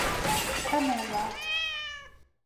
Ad nehḍeṛ.